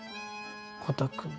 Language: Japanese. コタくん。